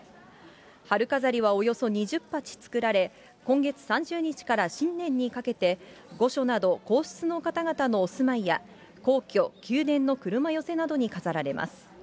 春飾りはおよそ２０鉢作られ、今月３０日から新年にかけて、御所など皇室の方々のお住まいや、皇居・宮殿の車寄せなどに飾られます。